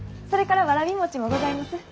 それからわらび餅もございます。